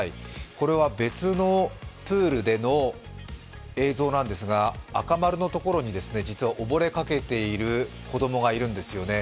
これは別のプールでの映像なんですが、赤丸のところに、実は溺れかけている子供がいるんです。